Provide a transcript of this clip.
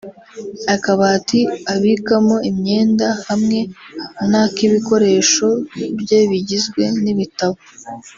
akabati abikamo imyenda hamwe n’ak’ibikoresho bye bigizwe n’ibitabo